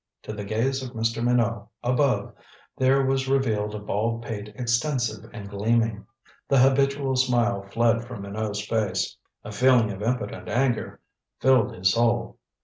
To the gaze of Mr. Minot, above, there was revealed a bald pate extensive and gleaming. The habitual smile fled from Minot's face. A feeling of impotent anger filled his soul.